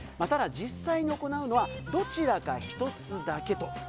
ただ実際に行うのはどちらか１つだけと。